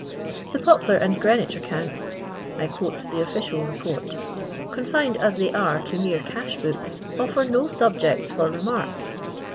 " The Poplar and Greenwich accounts (I quote the official Keport), confined as they are to mere cash books, offer no subjects for remark »